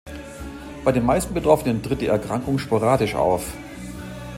Bei den meisten Betroffenen tritt die Erkrankung sporadisch auf.